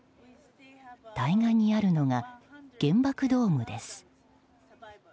対岸にあるのが原爆ドームです。